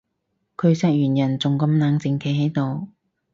佢殺完人仲咁冷靜企喺度